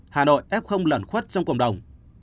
hà nội ép không lần khuất trong cộng đồng